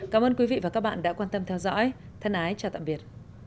cảm ơn quý vị và các bạn đã quan tâm theo dõi thân ái chào tạm biệt